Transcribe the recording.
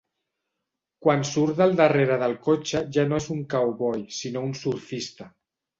Quan surt del darrere del cotxe ja no és un cowboy sinó un surfista.